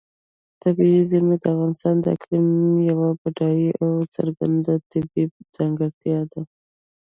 طبیعي زیرمې د افغانستان د اقلیم یوه بډایه او څرګنده طبیعي ځانګړتیا ده.